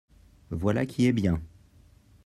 Voilà qui est bien